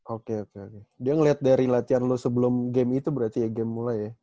oke oke dia ngeliat dari latihan lo sebelum game itu berarti ea game mulai ya